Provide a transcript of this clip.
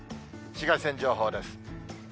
紫外線情報です。